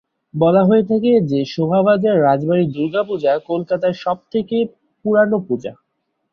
বলা হয়ে থাকে যে শোভাবাজার রাজবাড়ির দুর্গাপূজা কলকাতার সবথেকে পুরানো পূজা।